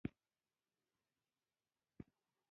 ځمکنی شکل د افغانستان د شنو سیمو یوه ډېره ښکلې ښکلا ده.